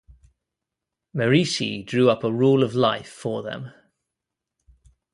Merici drew up a Rule of Life for them.